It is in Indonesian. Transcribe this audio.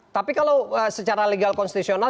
tapi kalau secara legal konstitusional